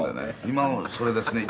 「今はそれですね。